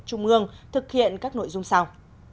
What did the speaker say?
trung ương thực hiện các nội dung sau